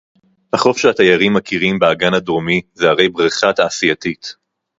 החוף שהתיירים מכירים באגן הדרומי זה הרי בריכה תעשייתית